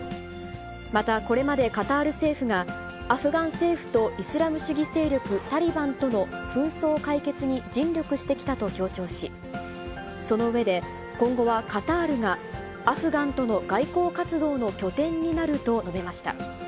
またこれまでカタール政府が、アフガン政府とイスラム主義勢力タリバンとの紛争解決に尽力してきたと強調し、その上で、今後はカタールがアフガンとの外交活動の拠点になると述べました。